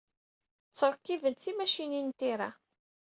Ttṛekkibent timacinin n tira.